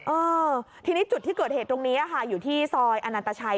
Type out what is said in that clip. เออทีนี้จุดที่เกิดเหตุตรงนี้ค่ะอยู่ที่ซอยอนันตชัย